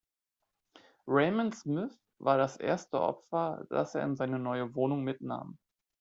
Raymond Smith war das erste Opfer, das er in seine neue Wohnung mitnahm.